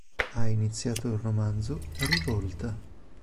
Ha iniziato il romanzo "Rivolta".